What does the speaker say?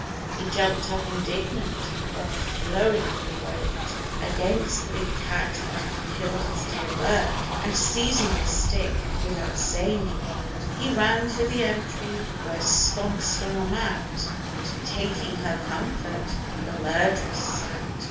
He jumped up indignant, o'erflowing with rage, Against the big cat that had killed his dear bird ; And seizing a stick, without saying a word, He ran through the entry, where 'sconced on a mat, And taking her comfort, the murderess sat.